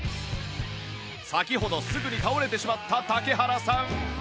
先ほどすぐに倒れてしまった竹原さんは